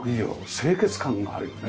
清潔感があるよね。